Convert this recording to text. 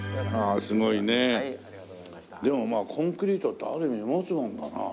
でもまあコンクリートってある意味持つもんだなあ。